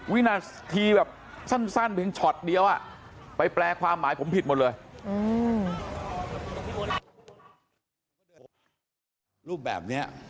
วินาทีแบบสั้นถึงช็อตเดียวไปแปลความหมายผมผิดหมดเลย